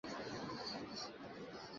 আমি আটঘাট বেঁধে কোন কাজ করি না।